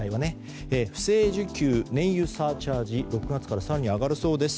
不正受給、燃油サーチャージ６月から更に上がるそうです。